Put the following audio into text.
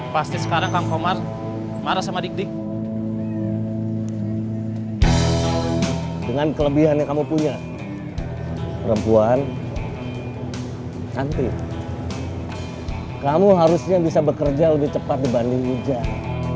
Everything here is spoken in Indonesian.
perempuan nanti kamu harusnya bisa bekerja lebih cepat dibanding hujan